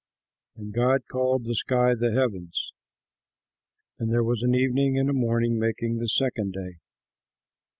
And God called the sky the Heavens. And there was an evening and a morning, making the second day.